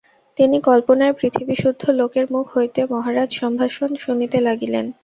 তিনি কল্পনায় পৃথিবীসুদ্ধ লোকের মুখ হইতে মহারাজ সম্ভাষণ শুনিতে লাগিলেন।